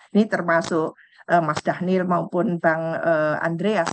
ini termasuk mas dhanil maupun bang andreas